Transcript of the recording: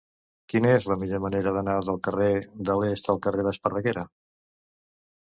Quina és la millor manera d'anar del carrer de l'Est al carrer d'Esparreguera?